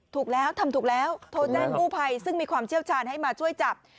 ถูกแล้วทำถูกแล้วโทรแจ้งกู้ภัยซึ่งมีความเชี่ยวชาญให้มาช่วยจับ